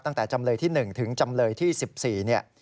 ตั้งแต่จำเลยที่๑ถึงจำเลยที่๑๔